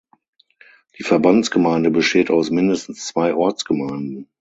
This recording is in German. Die Verbandsgemeinde besteht aus mindestens zwei Ortsgemeinden.